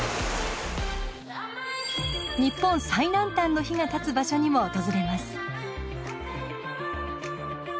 日本最南端の碑が建つ場所にも訪れます。